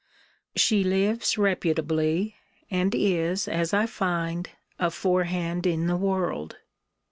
She lives reputably, and is, as I find, aforehand in the world.